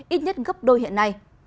ít nhất gấp đôi hiện nay